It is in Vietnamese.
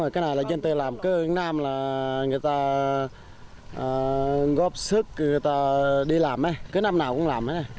cái này là dân tự làm cứ năm là người ta góp sức người ta đi làm cứ năm nào cũng làm